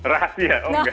rahasia oh enggak ya